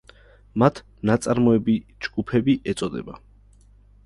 მათ „ნაწარმოები ჯგუფები“ ეწოდება.